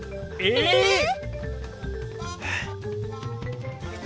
えっ。